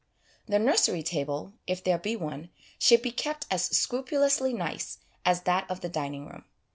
The nursery table, if there be one, should be kept as scrupulously nice as that of the dining room.